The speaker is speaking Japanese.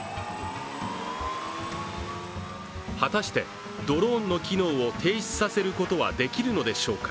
果たしてドローンの機能を停止させることはできるのでしょうか。